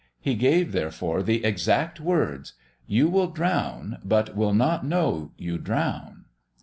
He gave, therefore, the exact words: "You will drown, but will not know you drown."